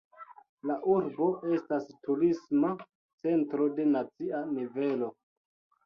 La urbo estas turisma centro de nacia nivelo.